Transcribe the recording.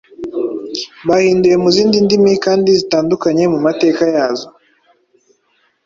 bahinduye mu zindi ndimi, kandi zitandukanye mu mateka yazo.